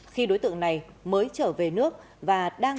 khi đối tượng này mới trở về nước và đang chuẩn bị xuất khai